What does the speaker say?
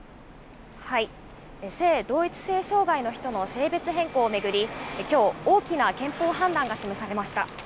性同一性障害の人の性別変更を巡り、きょう、大きな憲法判断が示されました。